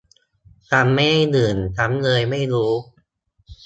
ฉันไม่ได้ดื่ม ฉันเลยไม่รู้